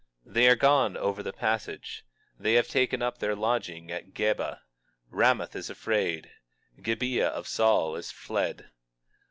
20:29 They are gone over the passage; they have taken up their lodging at Geba; Ramath is afraid; Gibeah of Saul is fled.